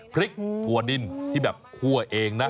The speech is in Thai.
พริกถั่วดินที่แบบคั่วเองนะ